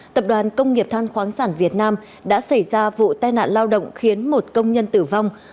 tập đoàn công nghiệp than khoáng sản việt nam đã xảy ra vụ tai nạn lao động khiến một công nhân tử vong